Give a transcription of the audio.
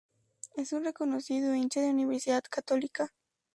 Es un reconocido hincha de Universidad Católica.